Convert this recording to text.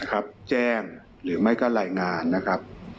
แจ้งหรือไม่ก็รายงานนะครับ